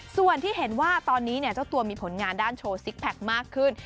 ส่วนที่เห็นว่าตอนนี้เจ้าตัวมีผลงานด้านโชว์ซิกแพคมากขึ้น